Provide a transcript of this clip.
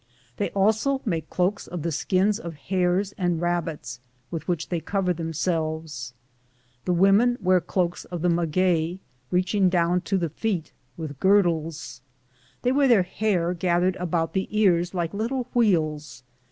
They also make cloaks of the skins of hares and rabbits, with which they cover them selves. The women wear cloaks of the maguey, reaching down to the feet, with girdles ; they wear their hair gathered about the ears like little wheels.